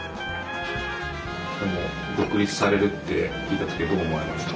でも独立されるって聞いた時はどう思われました？